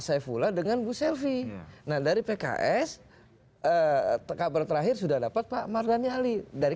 saifullah dengan bu selvi nah dari pks kabar terakhir sudah dapat pak mardhani ali dari